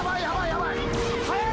ヤバい